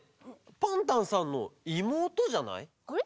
パンタンさんのいもうとじゃない？